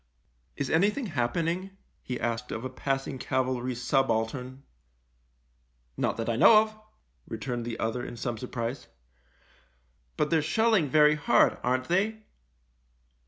" Is anything happening ?" he asked of a passing cavalry subaltern. " Not that I know of," returned the other in some surprise. " But they're shelling very hard, aren't they